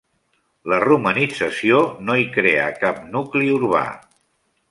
La romanització no hi creà cap nucli urbà.